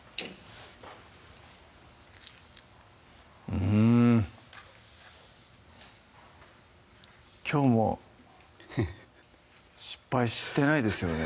うんきょうもフッ失敗してないですよね